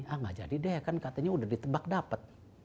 ah nggak jadi deh kan katanya udah ditebak dapat